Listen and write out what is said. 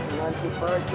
tidak apa apa pun